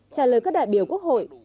trả lời các đại biểu quốc hội